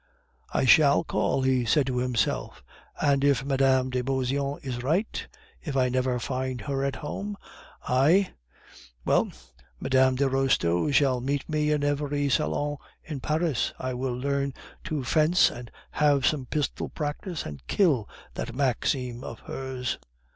"I shall call!" he said to himself, "and if Mme. de Beauseant is right, if I never find her at home I... well, Mme. de Restaud shall meet me in every salon in Paris. I will learn to fence and have some pistol practice, and kill that Maxime of hers!"